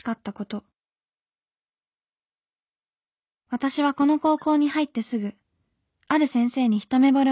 「私はこの高校に入ってすぐある先生にひとめぼれをしました。